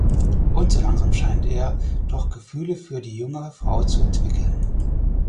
Und so langsam scheint er doch Gefühle für die junge Frau zu entwickeln.